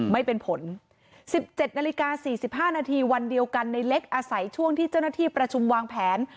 ไม่เป็นผล๑๗นาฬิกา๔๕นาทีวันเดียวกันในเล็กอาศัยช่วงที่เจ้าหน้าที่ประชุมวางแผน